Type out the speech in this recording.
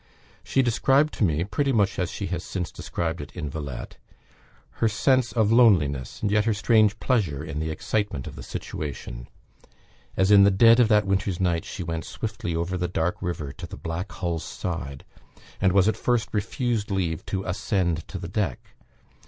She described to me, pretty much as she has since described it in "Villette," her sense of loneliness, and yet her strange pleasure in the excitement of the situation, as in the dead of that winter's night she went swiftly over the dark river to the black hull's side, and was at first refused leave to ascend to the deck.